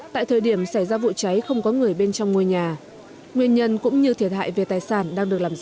tại thời điểm xảy ra vụ cháy không có người bên trong ngôi nhà nguyên nhân cũng như thiệt hại về tài sản đang được làm rõ